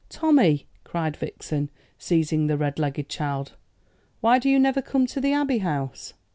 "Tommy," cried Vixen, seizing the red legged child, "why do you never come to the Abbey House?"